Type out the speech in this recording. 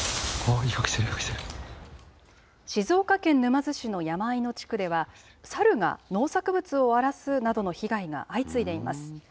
静岡県沼津市の山あいの地区では、サルが農作物を荒らすなどの被害が相次いでいます。